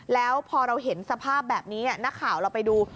แล้วพอเราเห็นสภาพแบบนี้นักข่าวเราไปดู